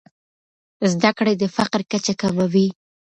زده کړې د فقر کچه کموي.